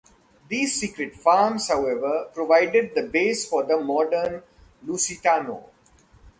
These secret farms, however, provided the base for the modern Lusitano.